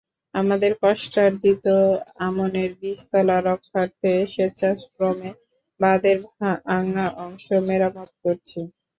আমাদের কষ্টার্জিত আমনের বীজতলা রক্ষার্থে স্বেচ্ছাশ্রমে বাঁধের ভাঙা অংশ মেরামত করছি।